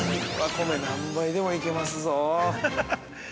◆米、何杯でもいけますぞ◆